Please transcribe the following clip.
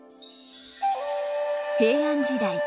平安時代。